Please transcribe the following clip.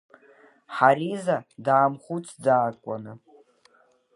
Ҳариза даамхәыцӡакәаны.